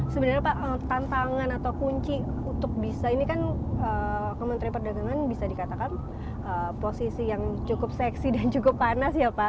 sebenarnya pak tantangan atau kunci untuk bisa ini kan kementerian perdagangan bisa dikatakan posisi yang cukup seksi dan cukup panas ya pak